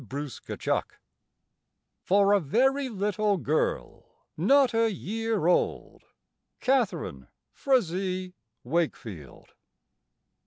Sunshine For a Very Little Girl, Not a Year Old. Catharine Frazee Wakefield.